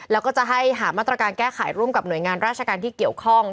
แล้วก็จะให้หามาตรการแก้ไขร่วมกับหน่วยงานราชการที่เกี่ยวข้อง